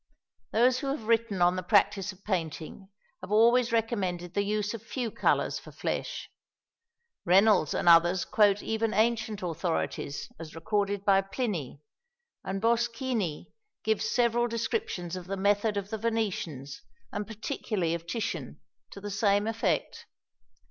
Those who have written on the practice of painting have always recommended the use of few colours for flesh. Reynolds and others quote even ancient authorities as recorded by Pliny, and Boschini gives several descriptions of the method of the Venetians, and particularly of Titian, to the same effect.